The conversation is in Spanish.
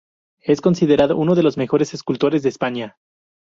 Es considerado uno de los mejores escultores de España.